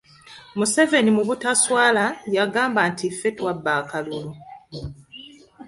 Museveni mu butaswala yagamba nti ffe twabba akalulu.